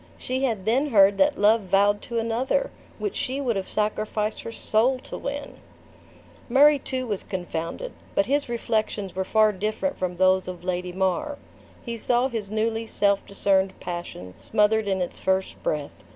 She had then heard that love vowed to another, which she would have sacrificed her soul to win! Murray too was confounded; but his reflections were far different from those of Lady Mar. He saw his newly self discerned passion smothered in its first breath.